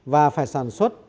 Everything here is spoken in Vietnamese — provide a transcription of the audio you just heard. và phải sản xuất